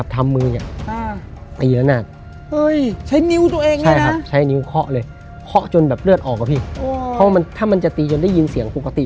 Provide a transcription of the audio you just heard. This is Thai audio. ตึง